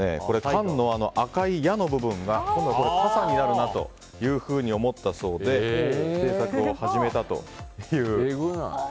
缶の赤い矢の部分が傘になるなというふうに思ったそうで制作を始めたという。